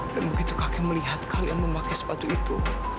dan begitu kakek melihat kalian memakai sepatu itu